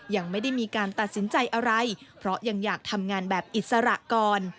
ยังไม่ได้มีการตัดสินใจอะไรเพราะยังอยากทำงานแบบอิสระก่อน